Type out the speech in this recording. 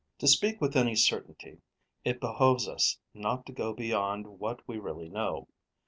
To speak with any certainty, it behoves us not to go beyond what we really know.